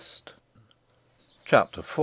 CHAPTER IV.